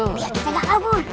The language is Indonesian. biar kita gak kabur